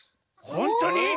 ほんとに？